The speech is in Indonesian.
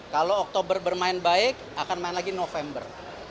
kalau oktober bermain baik akan main lagi november